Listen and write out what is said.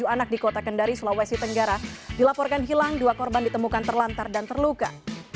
tujuh anak di kota kendari sulawesi tenggara dilaporkan hilang dua korban ditemukan terlantar dan terluka